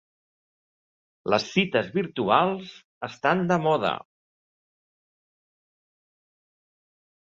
Les cites virtuals estan de moda.